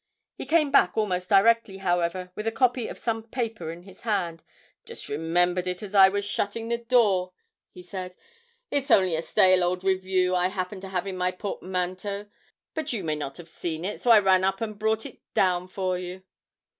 He came back almost directly, however, with a copy of some paper in his hand: 'Just remembered it as I was shutting the door,' he said; 'it's only a stale old Review I happened to have in my portmanteau; but you may not have seen it, so I ran up and brought it down for you.'